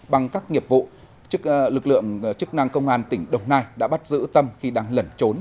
bằng các nghiệp vụ lực lượng chức năng công an tỉnh đồng nai đã bắt giữ tâm khi đang lẩn trốn